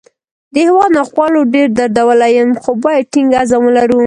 د هیواد ناخوالو ډېر دردولی یم، خو باید ټینګ عزم ولرو